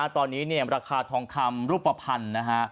ตอนนี้ราคาทองคำรูปภัณฑ์นะฮะ